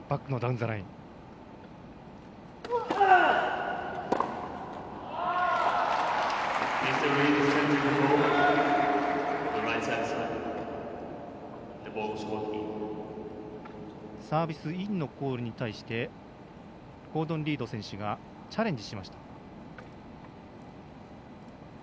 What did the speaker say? サービスインのコールに対してゴードン・リード選手がチャレンジしました。